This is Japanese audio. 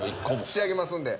仕上げますんで。